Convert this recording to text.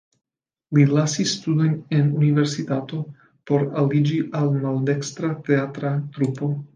Li lasis studojn en universitato por aliĝi al maldekstra teatra trupo.